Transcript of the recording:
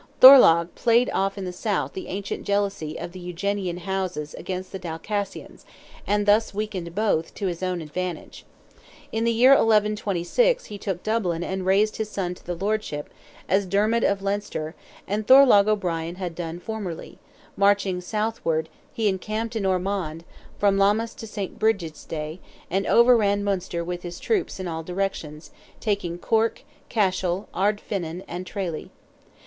Thorlogh played off in the south the ancient jealousy of the Eugenian houses against the Dalcassians, and thus weakened both, to his own advantage. In the year 1126 he took Dublin and raised his son to the lordship, as Dermid of Leinster, and Thorlogh O'Brien had done formerly: marching southward he encamped in Ormond, from Lammas to St. Bridget's day, and overran Munster with his troops in all directions, taking Cork, Cashel, Ardfinnan, and Tralee.